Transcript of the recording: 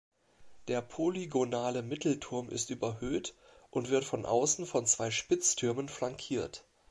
Der polygonale Mittelturm ist überhöht und wird außen von zwei Spitztürmen flankiert.